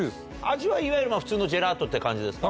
味はいわゆる普通のジェラートって感じですか？